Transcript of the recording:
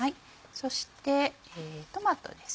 そしてトマトです。